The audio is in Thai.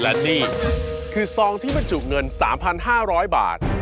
และนี่คือซองที่บรรจุเงิน๓๕๐๐บาท